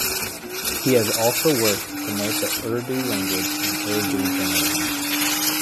He has also worked to promote the Urdu language and Urdu journalism.